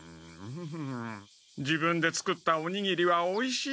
自分で作ったおにぎりはおいしい。